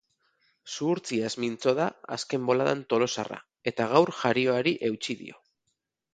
Zuhurtziaz mintzo da azken boladan tolosarra eta gaur jarioari eutsi dio.